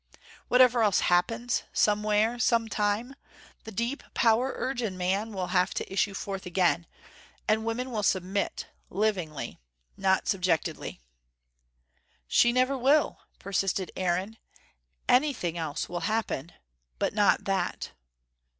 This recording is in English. Whatever else happens, somewhere, sometime, the deep power urge in man will have to issue forth again, and woman will submit, livingly, not subjectedly." "She never will," persisted Aaron. "Anything else will happen, but not that."